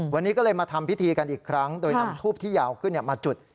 วันนี้ก็เลยมาทำพิธีกันอีกครั้งโดยนำทูบที่ยาวขึ้นมาจุด